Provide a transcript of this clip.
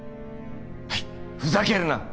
はいふざけるな！